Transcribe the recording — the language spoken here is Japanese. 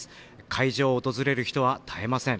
会場を訪れる人は絶えません。